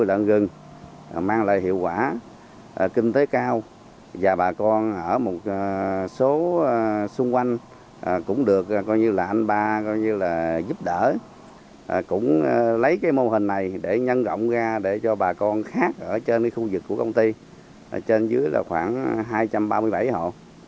ở một số xung quanh cũng được anh ba giúp đỡ cũng lấy mô hình này để nhân rộng ra để cho bà con khác ở trên khu vực của công ty trên dưới khoảng hai trăm ba mươi bảy hộ